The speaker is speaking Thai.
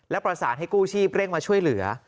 และประสานให้กู้ชีพเร่งมาช่วยเหลือ